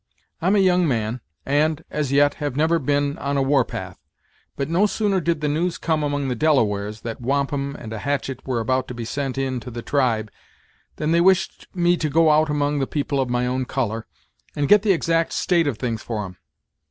I'm a young man, and, as yet, have never been on a war path; but no sooner did the news come among the Delawares, that wampum and a hatchet were about to be sent in to the tribe, than they wished me to go out among the people of my own color, and get the exact state of things for 'em.